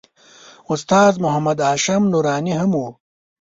استاد محمد هاشم نوراني هم و.